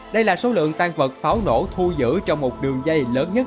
đây là số lượng tàn vật pháo nổ thu giữ trong một đường dây lớn nhất